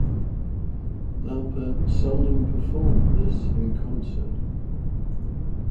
Lauper seldom performed this in concert.